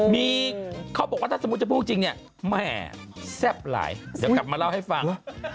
มีเขาบอกว่าถ้าสมมุติจะพูดจริงเนี่ยแหม่แซ่บหลายเดี๋ยวกลับมาเล่าให้ฟัง